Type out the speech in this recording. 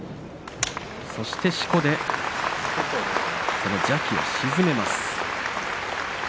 そしてしこで邪気を鎮めます。